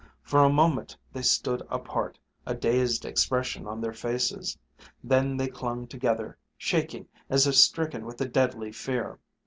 For a moment they stood apart, a dazed expression on their faces. Then they clung together, shaking as if stricken with a deadly fear.